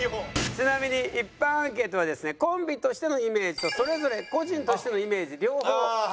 ちなみに一般アンケートはですねコンビとしてのイメージとそれぞれ個人としてのイメージ両方聞いておりますので。